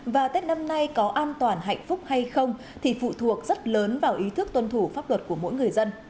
và tết năm nay có an toàn hạnh phúc hay không thì phụ thuộc rất lớn vào ý thức tuân thủ pháp luật của mỗi người dân